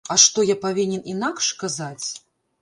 А што, я павінен інакш казаць?!